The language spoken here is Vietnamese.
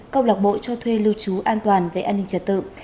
câu lạc bộ cho thuê lưu trú an toàn về an ninh trật tự